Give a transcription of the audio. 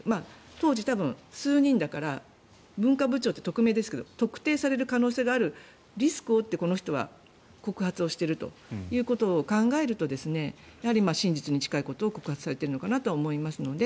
当時、数人だから文化部長、匿名ですけど特定される可能性があるリスクを負って、この人は告発をしているということを考えるとやはり真実に近いことを告発されているのかなと思いますので。